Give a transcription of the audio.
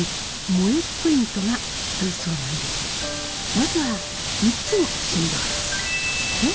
まずは３つの心臓です。えっ？